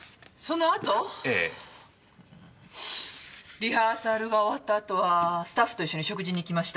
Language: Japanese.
リハーサルが終わったあとはスタッフと一緒に食事に行きました。